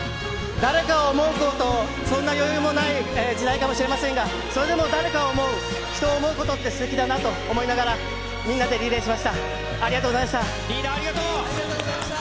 誰かを想うこと、そんな余裕もない時代かもしれませんが、それでも誰かを思う、人を思うことってすてきだなと思いながら、みんなでリレーしました。